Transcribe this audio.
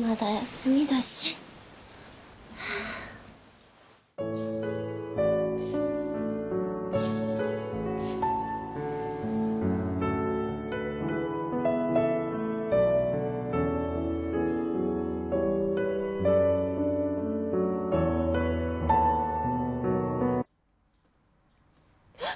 まだ休みだしハァえっ